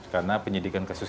karena penyidikan kasus